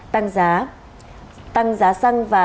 tăng giá xăng và thiết lập mặt bằng giá mới